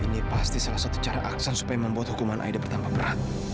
ini pasti salah satu cara aksan supaya membuat hukuman aida bertambah berat